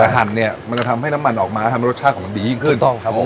แต่หั่นเนี่ยมันจะทำให้น้ำมันออกมาทำให้รสชาติของมันดียิ่งขึ้นถูกต้องครับผม